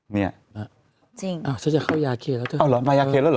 เนี่ยจริงอ้าวฉันจะเข้ายาเคแล้วเธอเอาเหรอมายาเคแล้วเห